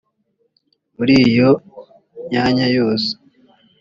muri iyo myanya yose